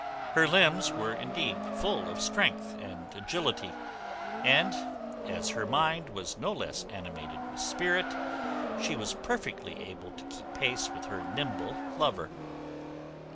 Her limbs were indeed full of strength and agility, and, as her mind was no less animated with spirit, she was perfectly able to keep pace with her nimble lover.